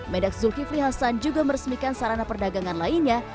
mendak zulkifli hasan juga meresmikan sarana perdagangan lainnya